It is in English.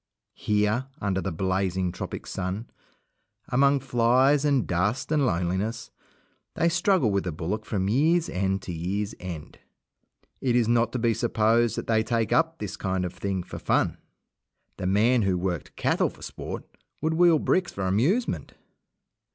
Here, under the blazing tropic sun, among flies and dust and loneliness, they struggle with the bullock from year's end to year's end. It is not to be supposed that they take up this kind of thing for fun. The man who worked cattle for sport would wheel bricks for amusement.